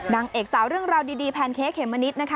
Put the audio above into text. นางเอกสาวเรื่องราวดีแพนเค้กเขมมะนิดนะคะ